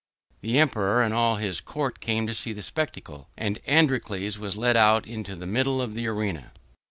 The Emperor and all his Court came to see the spectacle and Androcles was led out into the middle of the arena.